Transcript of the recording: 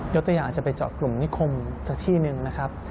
ตัวอย่างจะไปเจาะกลุ่มนิคมสักที่หนึ่งนะครับ